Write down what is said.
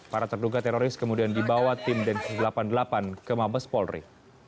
para terduga teroris kemudian dibawa tim densus delapan puluh delapan ke mabes polri